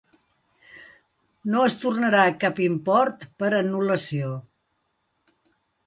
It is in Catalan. No es tornarà cap import per anul·lació.